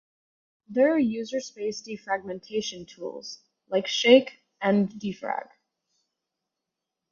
There are userspace defragmentation tools, like Shake and defrag.